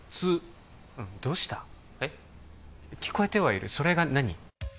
聞こえてはいるそれが何？